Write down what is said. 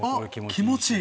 気持ちいい！